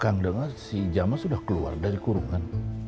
kang dengar si jamaah sudah keluar dari kurungan